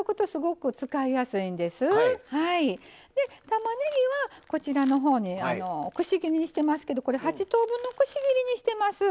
たまねぎはこちらのほうにくし切りにしてますけどこれ８等分のくし切りにしてます。